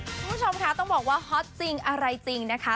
คุณผู้ชมค่ะต้องบอกว่าฮอตจริงอะไรจริงนะคะ